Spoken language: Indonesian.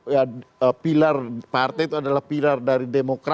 ya pilar partai itu adalah pilar dari demokrat